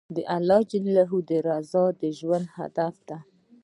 د الله رضا د ژوند هدف دی.